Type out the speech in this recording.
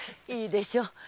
いいでしょう。